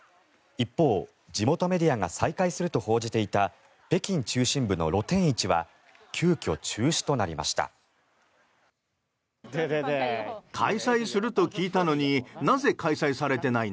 一方、地元メディアが再開すると報じていた北京中心部の露店市は急きょ、中止となりました。